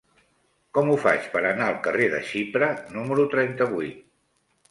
Com ho faig per anar al carrer de Xipre número trenta-vuit?